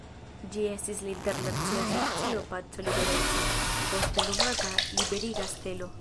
Ĝi estis la Internacia Asocio Paco-Libereco, poste nomata Liberiga Stelo.